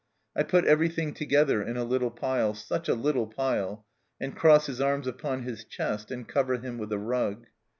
I put everything together in a little pile such a little pile and cross his arms upon his chest, and cover him with a rug.